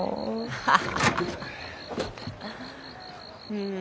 うん。